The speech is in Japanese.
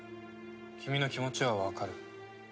君の気持ちはわかる。